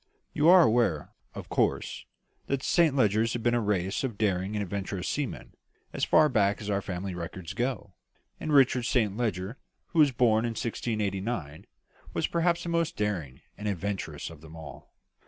"You are aware, of course, that the Saint Legers have been a race of daring and adventurous seamen, as far back as our family records go; and Richard Saint Leger, who was born in 1689, was perhaps the most daring and adventurous of them all.